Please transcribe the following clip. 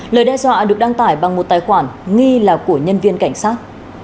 lời đe dọa được đăng tải bằng một tài khoản nghi là của nhân viên cảnh sát